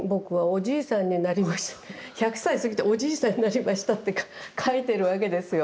１００歳過ぎて「おじいさんになりました」って書いてるわけですよ。